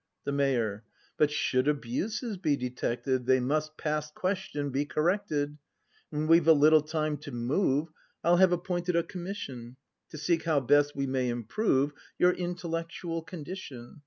The Mayor. But should abuses be detected. They must, past question, be corrected. When we've a little time to move, I'll have appointed a commission. To seek how best we may improve Your intellectual condition.